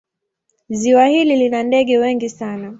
Ziwa hili lina ndege wengi sana.